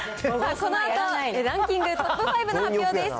このあとはランキングトップ５の発表です。